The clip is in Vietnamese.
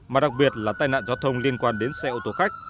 mà đặc biệt là tai nạn giao thông liên quan đến xe ô tô khách